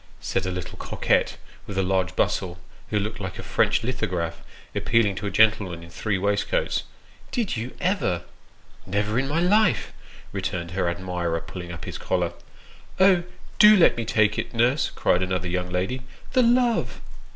said a little coquette with a large bustle, who looked like a French lithograph, appealing to a gentleman in three waistcoats " Did you ever ?"" Never in my life," returned her admirer, pulling up his collar. " Oh ! do let me take it, nurse," cried another young lady. " The love